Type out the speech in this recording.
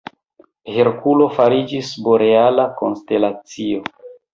Herkulo fariĝis boreala konstelacio.